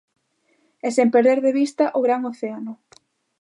E sen perder de vista o gran océano.